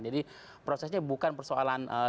jadi prosesnya bukan persoalan